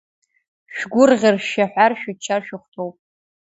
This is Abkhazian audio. Шәгәырӷьар, шәшәаҳәар, шәыччар шәыхәҭоуп…